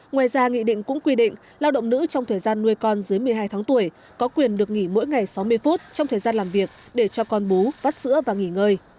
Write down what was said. ngoài ra nghị định cũng quy định lao động nữ trong thời gian nuôi con dưới một mươi hai tháng tuổi có quyền được nghỉ mỗi ngày sáu mươi phút trong thời gian làm việc để cho con bú vắt sữa và nghỉ ngơi